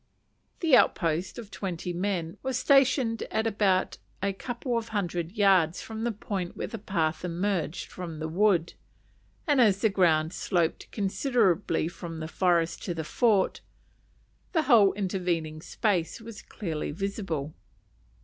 The outpost, of twenty men, was stationed at about a couple of hundred yards from the point where the path emerged from the wood; and as the ground sloped considerably from the forest to the fort, the whole intervening space was clearly visible.